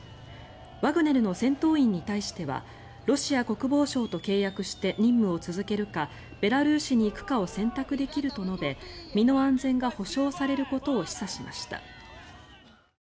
ワグネルの戦闘員に対してはロシア国防省と契約して任務を続けるかベラルーシに行くかを選択できると述べ身の安全が保証されることを示唆しました。